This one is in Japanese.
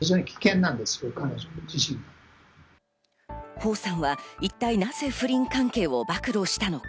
ホウさんは一体なぜ不倫関係を暴露したのか。